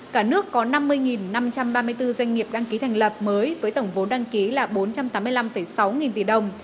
cả nước có năm mươi năm trăm ba mươi bốn doanh nghiệp đăng ký thành lập mới với tổng vốn đăng ký là bốn trăm tám mươi năm sáu nghìn tỷ đồng